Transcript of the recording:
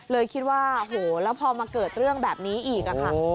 เลยคิดว่าโหแล้วพอมาเกิดเรื่องแบบนี้อีกค่ะ